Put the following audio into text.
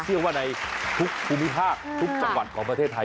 เชื่อว่าในทุกภูมิภาคทุกจังหวัดของประเทศไทย